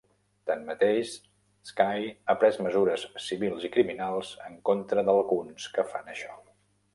Tanmateix, Sky ha pres mesures civils i criminals en contra d'alguns que fan això.